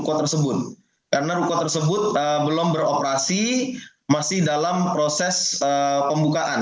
kami mengakui pem kaan kota flugabal kampung yang digunakan hasilnya sepertinya maju dijalankan